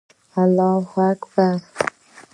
الله اکبر